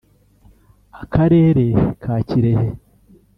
Akarere ka Kirehe